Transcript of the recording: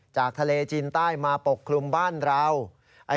จากทะเลจีนใต้มาปกคลุมบ้านเรา